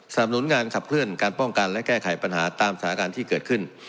นับหนุนงานขับเคลื่อนการป้องกันและแก้ไขปัญหาตามสถานการณ์ที่เกิดขึ้น